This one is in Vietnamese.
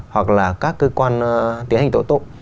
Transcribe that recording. hoặc là các cơ quan tiến hành tổ tụ